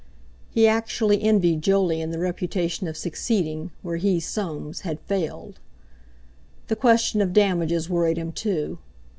He actually envied Jolyon the reputation of succeeding where he, Soames, had failed. The question of damages worried him, too.